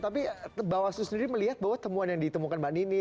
tapi bawaslu sendiri melihat bahwa temuan yang ditemukan mbak nini